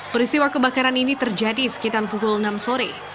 peristiwa kebakaran ini terjadi sekitar pukul enam sore